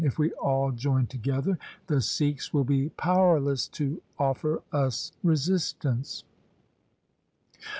If we all join together, the Sikhs will be powerless to offer us resistance.'